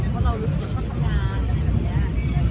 เพราะเรารู้สึกว่าชอบทำงานอะไรแบบนี้